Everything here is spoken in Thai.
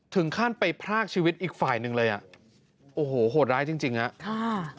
ถึงขั้นไปพรากชีวิตอีกฝ่ายหนึ่งเลยอ่ะโอ้โหโหดร้ายจริงจริงฮะค่ะ